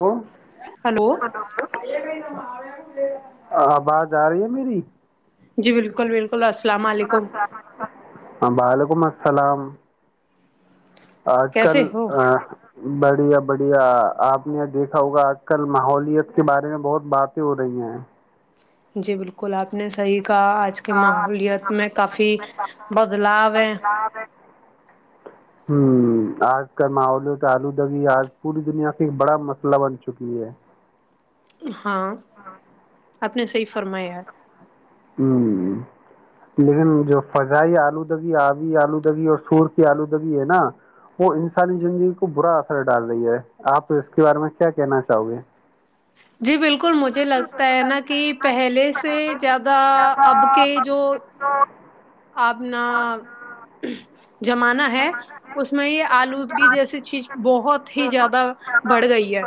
hello hello آواز آ رہی ہے میری جی بالکل بالکل السلام علیکم ہاں وعلیکم السلام سلام آج کل کیسے ہو ا بڑھیا بڑھیا آپ نے دیکھا ہوگا آج کل ماحولت کے بارے میں بہت باتیں ہو رہی ہیں جی بالکل آپ نے صحیح کہا آج کی ماحولت میں کافی بدلاؤ ہ ہوں آج کا ماحول تو آلودگی آج پوری دنیا سے ایک بڑا مسئلہ بن چکی ہے ہاں آپ نے صحیح فرمایا ہ لیکن جو فضائی آلودگی آبی آلودگی اور شور کی آلودگی ہے نا وہ انسانی زندگی کو برا اثر ڈال رہی ہے آپ اس کے بارے میں کیا کہنا چاہو گے جی بالکل مجھے لگتا ہے نا کہ پہلے سے زیادہ اب کے جو آپنا جم انا ہے اس میں یہ آلودگی جیس چچ بہت ہی زیادہ بڑھ گئی ہے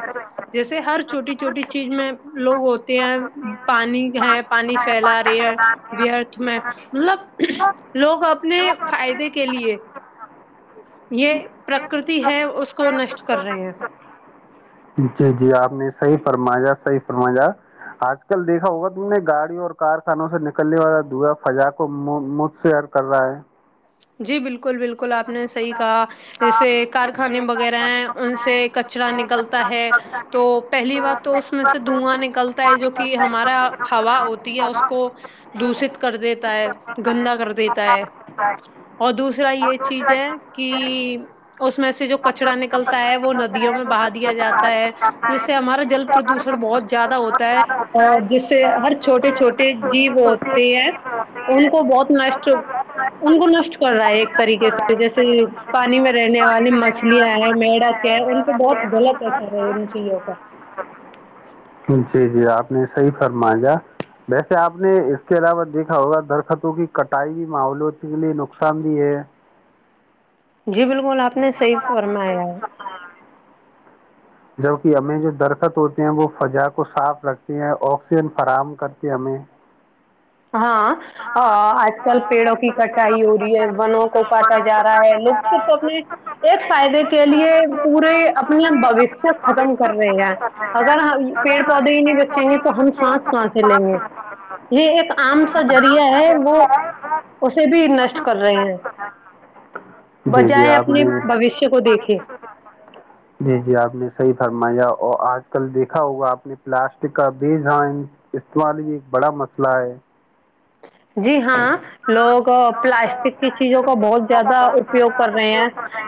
جیسے ہر چھوٹی چھوٹی چیز میں لوگ ہوتے ہیں پانی ہے پانی پھیلا رہی ہے بیرتھ میں مطلب لوگ اپنے فائدے کے لیے یہ پرکرتی ہے اس کو نشٹ کر رہے ہیں جی جی آپ نے صحیح فرمایاا صحی فرمایا آج کل دیکھا ہوگا تم نے گاڑیوں اور کارخانوں سے نکلنے والا دا فضا کو مجھ سےر کر رہا ہے جی بالکل بالکل بالکل آپ نے صحیح کہا جیسے کارخانے وغیرہ ہیں ان سے کچرا نکلتا ہے تو پہلی بار تو اس میں سے دھواں نکلتا ہے جو کہ ہمارا ہوا ہوتی ہے اس کو دوشت کر دیتا ہے گندا کر دیتا ہے اور دوسر دوسرح یہ یہ چیز ہے کہ اس میں سے جو کچڑا نکلتا ہے وہ ندیوں میں بہا دیا جاتا ہے جس ہمارا جل پردوشن بہت زیادہ ہوتا ہے اور جس سے ہر چھوٹے چھوٹے جیو ہوتے ہیں ان کو بہت نٹ ان کو نشٹ کر رہا ہے ایک طریقے سے جیسے پانی میں رہنے والی مچھلیاں ہیں مڈک ان پہ بہت غلط اثر ہے ان چیزوں کا جی جی آپ نے صحیح فرمایا ویسے آپ نے اس کے علاوہ دیکھا ہوگا درختوں کی کٹائی بھی ماحولت کے لیے نقصان بھی ہے جی بالکل آپ نے صحیح فرمایا ہے جبکہ ہمیں جو درخت ہوتے ہیں وہ فجا کو صاف رکھتے ہیں آکسیجن فراہم کرتے ہمیں ہاں آج کل پیڑوں کی کٹائی ہو رہی ہے ونوں کو کاٹا جا رہا ہے ل کو اپنے ایک فائدے کے لیے پورے اپنے بوشیہ ختم کر رہے ہیں اگر پیڑ پودے ہی نہیں بچیں گے تو ہم سانس کہاں سے لیں گے یہ ایک آم ساجرییا ہے وہ اسے بھی نشٹ کر رہے ہیں جی جی بجائے آپ اپنے نے بوشیہ کو دیکھے ٹھ جی جی آپ نے صحیح فرمایا اور آج کل دیکھا ہوگا آپ نے پلاسٹک کا بے جان استعمال بھی ایک بڑا مسئلہ ہے جی ہاں لوگ پلاسٹک کی چیزوں کا بہت زیادہ اپیوگ کر رہے ہیں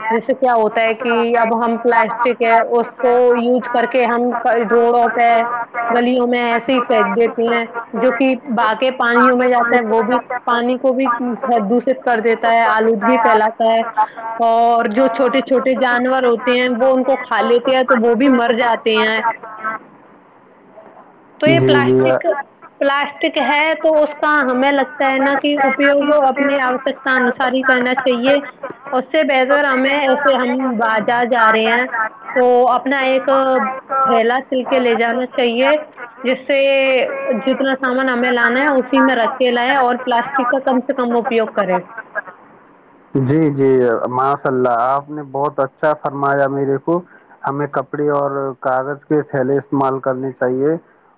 جیسے کیا ہوتا ہے کہ اب ہم پلاسٹک ہے اس کو یوز کر کے ہم روڑوں پہ گلیوں میں ایسے ہی پھییک دیتے ہیں جو کہ باق پانیوں میں جاتے وہ بھی پانی کو بھی دوشت کر دیتا ہے آلودگی پھیلاتا ہے اور جو چھوٹیے چھوٹیے جانور ہوتے ہیں وہ ان کو کھا لیتے ہیں تو وہ بھی مر جاتے پ یہ تو جی یہ جی پلاسٹک پلاسٹک ہے تو اس پچ ہمیں لگتا ہے نا اپیوگوں اپنے آوشکت انساری کرنا چاہیے اس سے بہتر ہمیں ایسے ہم بازار جا رہے ہیں تو اپنا ایک ہیھیلا سل کے لے جانا چاہیے جس سے جتنا سامان ن ہم لا اسی میں رکھ اور پلاسٹک کا کم سے کم اپیوگ کرے جی جی ماشاء اللہ آپ نے بہت اچھا فرمایا میرے کو ہمیں کپڑے اور کاغذ کے تھیلے استعمال کرنے چاہیے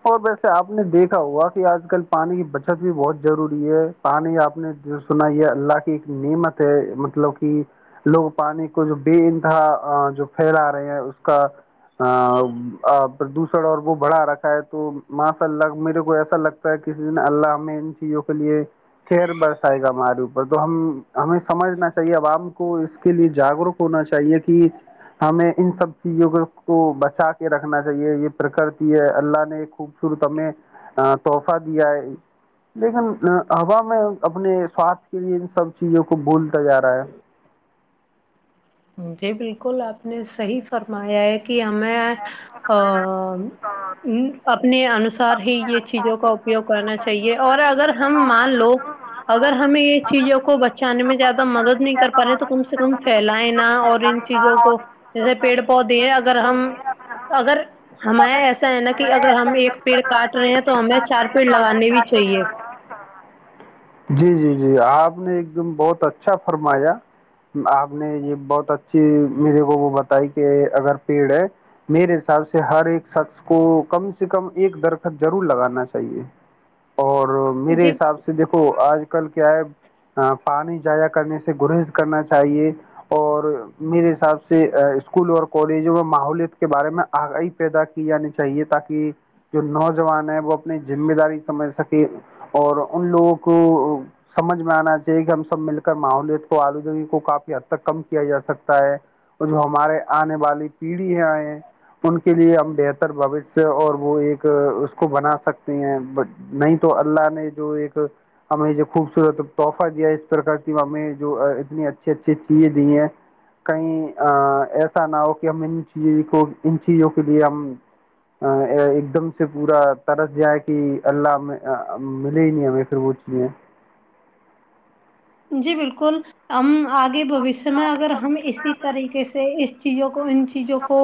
اور ویسے آپ نے دیکھا ہوا کہ آج کل پانی کی بچت بھی بہت ضروری ہے پانی آپ نے جو سنا ہے اللہ کی ایک نعمت مطلب کہ لوگ پانی کو جو بے انتہا جو پھیلا رہے ہیں اس کا پردوشن اور وہ بڑھا رکھا ہے تو ماشاء اللہ میرے کو ایسا لگتا ہے کسی دن اللہ ہمیں ان چیزوں کے لیے کر برسائے گا ہمارے اوپر تو ہم ہمیں سمجھنا چاہیے عوام کو اس کے لیے جاگروک ہونا چاہیے کہ ہمیں ان سب چیزوں کو کو بچا کے رکھنا چاہیے یہ پرکرتی ہے اللہ نے خوبصورت ہمیں تحفہ دیا ہے لیکن ہوا میں اپنے سواستھ کے لیے ان سب چیزوں کو بھولتا جا رہا ہے جی بالکل آپ نے صحیح فرمایا ہے کہ ہمیں اپنے انوسار ہی یہ چیزوں کا اپیوگ کرنا چاہیے اور اگر ہم مان لو اگر ہمیں یہ چیزوں کو بچانے میں زیادہ مدد نہیں کر پا رہے تو کم سے کم پھیلائیں اور ان چیزوں کو جیسے پیڑ پودے ہیں اگر اگر ہم اگر ہمار ایسا ہے نا کہ اگر ہم ایک پیڑ کاٹ رہے ہیں تو ہمیں چار پیڑ لگانے بھی چاہیے جی جی جی آپ نے ایک دم بہت اچھا فرمایا آپ نے یہ بہت اچھی میرے کو وہ بتائی کہ اگر پیڑ ہے میرے حساب سے ہر ایک شخص کو کم سے کم ایک در ضرور لگانا چاہیے اور میرے جی حساب سے دیکھو آج ل کیا ہے پانی جایا کرنے سے گریہز کرنا چاہیے اور میرے حساب سے اسکول اور کالج اور ماحولت کے بارے میں آگاہی پیدا کی جانی چاہیے تاکہ جو نو وہ اپنی ذمے داری سمجھ سکے اور ان لوگوں کو سمجھ میں آنا چاہیے کہ ہم سب مل کر ماحوولت کو آلودگی کو کافی حد تک کم کیا جا سکتا ہے اور جو ہمارے آنے والی پیڑھی آیں ان کے لیے ہم بہتر بیہ اور وہ ایک کو بنا سکتے ہیں نہیں تو اللہ نے جو ایک ہمیں جو خوبصورت تحفہ دیا اس پرک کی ہمیں جو اتنی اچھی اچھی چیزیں دی ہیں کہیں ایسا نہ ہو کہ ہم ان چیز کو ان چیزوں کے لیے ہم ایک دم سے پورا طرس ج ہے کہ اللہ میں ملے ہی نہیں ہمیں پھر وہ چیزیں جی بالکل ام آگے بوشیہ میں اگر ہم اسی طریقے سے چیزوں کو ان چیزوں کو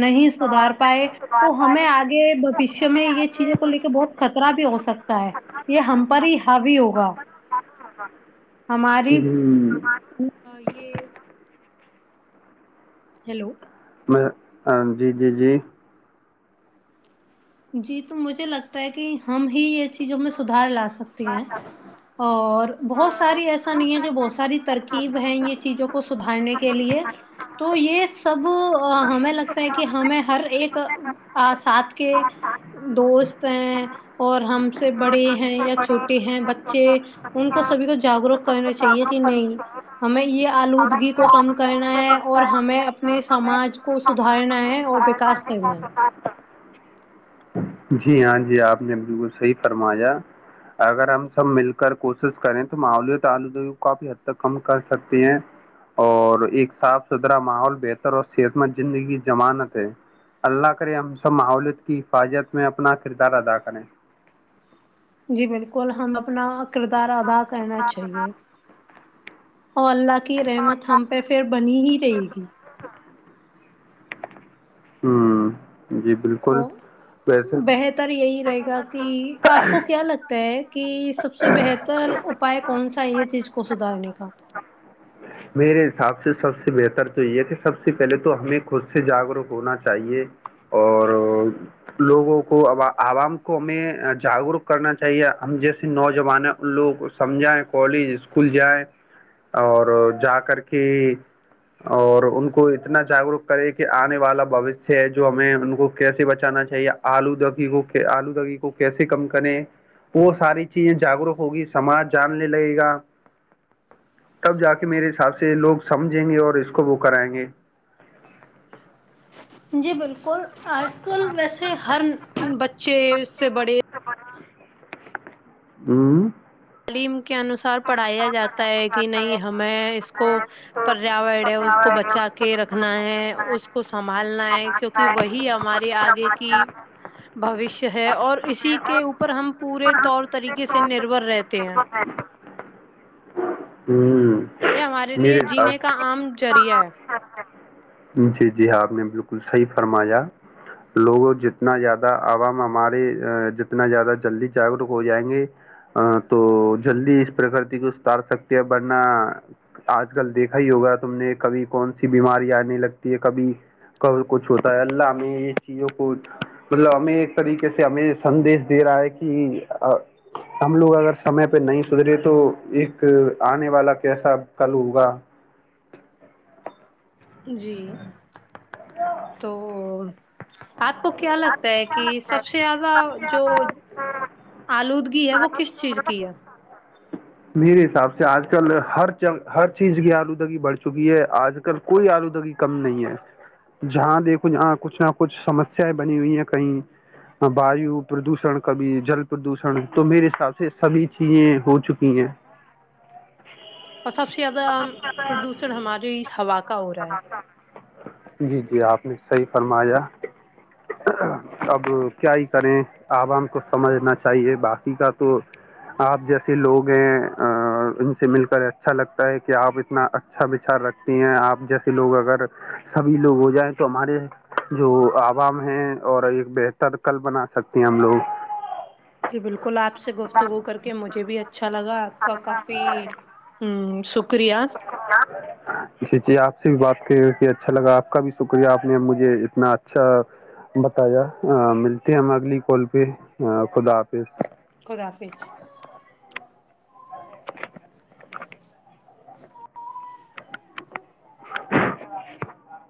نہیں سدھار پائے تو ہمیں آگے بشیہ میں یہ چیزوں کو لے کے بہت خطرہ بھی ہو سکتا ہے یہ ہم پر ہی حاوی ہوگا ہاں ہماری یہ ہیلو میں ہاں جی جی جی جی تو مجھے لگتا ہے کہ ہم ہی یہ چیزوں میں سدھار لا سکتے سکتی ہیں اور بہت ساری ایسا نہیں ہے کہ بہت ساری ترکیب ہے یہ چیزوں کو سدھارنے کے لیے تو یہ اب ہمیں لگتا ہے کہ ہمیں ہر ایک ساتھ کے دوست ہیں اور ہم سے بڑے ہیں یا چھوٹے ہیں بچے ان کو سبھی کو جاگروک کرنا چاہیے کہ نہیں ہمیں یہ آلودگی کو کم کرنا ہے اور ہمیں اپنے سماج کو سدھارنا ہے اور وکاس کرنا ہے جی ہاں جی آپ نے بالکل صحیح فرمایا اگر ہم سب مل کر کوشش کریں تو ماحوللی کافی حد تک کم کر سکتی ہیں اور ایک صاف ستھرا ماحول بہتر اور صحت مند زندگی جضمانت ہے اللہ کرے ہم سب ماحولت کی حفاظت میں اپنا کردار ادا کریں جی بالکل ہم اپنا کردار ادا کرنا چاہیے اور اللہ کی رحمت ہم پہ پھر بنی ہی رہے گی ہوں جی او بالکل ویسے بہتر یہی رہے گا کہ آپ کو کیا لگتا ہے کہ سب سے بہتر اپائے کون سا یہ چیز کو سدھارنے کا میرے حساب سے سب سے بہتر تو یہ کہ سب سے پہلے تو ہمیں خود سے جاگروک ہونا چاہیے اور لوگوں کو عوام کو ہمیں جاگروک کرنا چاہیے ہم جیسے نوجوان ہیں ان لوگوں کو سمجھائیں کالج اسکول جائیں اور جا کر کے اور ان کو اتنا جاگروک کرے کہ آنے والا بوشیہ ہے جو ہمیں ان کو کیسے بچانا چاہیے آلودودگی کو آلودگی کو کیسے کم کرے وہ ساری چیزیں جاگروک ہوگی سماج جاننے لگے گا تب جا کہ میرے حساب سے لوگ سمجھیں گے اور اس کو وہ کرائیں گے جی بالکل اور آج کل ویسے ہر بچ ا چھے سے بڑے [unintelligible] ہوں [unintelligible] تعلیم [unintelligible] [unintelligible] کے انوسار پڑھایا جاتا ہے کہ نہیں ہمیں اس کو پریا ہے اس کو بچا کے رکھنا ہے اس کو سنبھالنا ہے کیونکہ وہی ہمارے آگے کی بوش ہے اور اسی کے اوپر ہم پورے طور طریقے [unintelligible] سے نربھر رہتا [unintelligible] تے ہیں [unintelligible] ہوں [unintelligible] یہ ہمارے لیے میرے جینے حساب کا عم [unintelligible] چارہ [unintelligible] جی جی ہاں آپ نے بالکل صحیح فرمایا لوگوں جتنا زیادہ عوام ہمارے جتنا زیادہ جلدی جاگروک ہو جائیں گے تو جلدی اس پرکرتی کو اتار سکتے ہیں ورنہ آج کل دیکھا ہی ہوگا تم نے کبھی کون سی بیماری آ رہ [unintelligible] لگتی ہے کبھی کب کچھ ہوتا ہے اللہ ہمیں یہ چیزوں کو مطلب ہمیں ایک طریقے سے ہمیں سندیش دے رہا ہے کہ ہم لوگ اگر سمے پہ نہیں دریے تو ایک آنے والا کیسا کل ہوگا [unintelligible] جی تو [unintelligible] آپ کو کیا لگتا ہے کہ سب سے زیادہ جو آلودگی ہے وہ کس چیز کی ہے [unintelligible] میرے حساب سے آج کل ہر ہر چیز کی آلودگی بڑھ چکی ہے آج کل کوئی آلودگی کم نہیں ہے جہاں دیکھو جہاں کچھ نہ کچھ سم [unintelligible] بنی ہوئی ہیں کہیں وایو پردوشن کبھی جل پردوشن تو میرے حساب سے سبھی چیزیں ہو چکی ہیں اور سب سے زیادہ پردوشن ہماری ہوا کا ہو رہا ہے [unintelligible] جی جی آپ نے صحیح فرمایا [unintelligible] ہاں [unintelligible] [unintelligible] اب کیا ہی کریں [unintelligible] [unintelligible] عوام کو سمجھنا چاہیے باقی کا تو آپ جیسے لوگ ہیں ان سے مل کر اچھا لگتا ہے کہ آپ اتنا اچھا بچار رکھتے ہیں آپ جیسے لوگ اگر سبھی لوگ ہو جائیں تو ہمارے جو آپ [unintelligible] عام ہیں اور ایک بہتر کل بنا سکتی ہیں ہم لوگ جی بالکل آپ سے گفتگو کر کے مجھے بھی اچھا لگا آپ کا کافی ہ شک [unintelligible] جچی [unintelligible] [unintelligible] جی آپ سے بھی بات کرے کہ اچھا لگا آپ کا بھی شکریہ آپ نے مجھے اتنا اچھا بتایا ملتے ہیں ہم اگلی کال پہ خدا حافظ [unintelligible] خدافے [unintelligible] [unintelligible] [inaudible] [unintelligible]